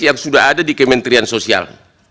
yang sudah ada di kementerian sosial